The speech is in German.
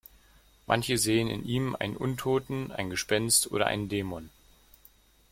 Manche sehen in ihm einen Untoten, ein Gespenst oder einen Dämon.